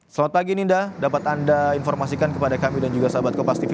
selamat pagi ninda dapat anda informasikan kepada kami dan juga sahabat kopas tv